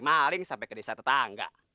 maling sampai ke desa tetangga